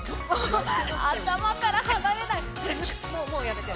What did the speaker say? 頭から離れない。